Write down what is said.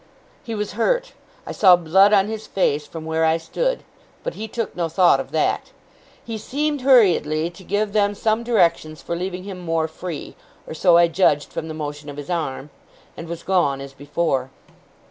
He was hurt. I saw blood on his face, from where I stood; but he took no thought of that. He seemed hurriedly to give them some directions for leaving him more free or so I judged from the motion of his arm and was gone as before.